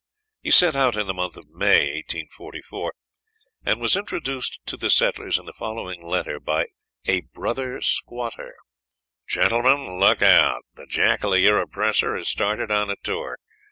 He set out in the month of May, 1844, and was introduced to the settlers in the following letter by "a brother squatter": "Gentlemen, look out. The jackal of your oppressor has started on a tour.